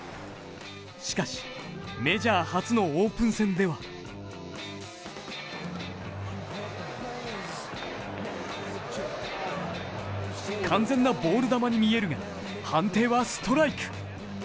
しかし、メジャー初のオープン戦では完全なボール球に見えるが判定はストライク。